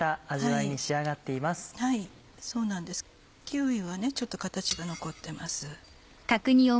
キーウィはちょっと形が残ってます。